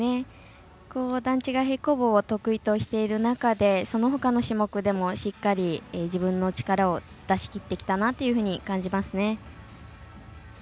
段違い平行棒を得意としている中でそのほかの種目でもしっかり自分の力を出しきってきたなというふうに感じますね。